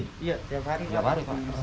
iya tiap hari